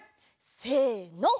せの！